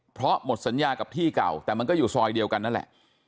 เพราะหมดสัญญากับที่เก่าแต่มันก็อยู่ซอยเดียวกันนั่นแหละ